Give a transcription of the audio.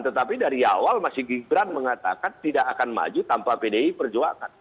tetapi dari awal mas gibran mengatakan tidak akan maju tanpa pdi perjuangan